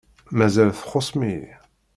Mazal txuṣṣem-iyi.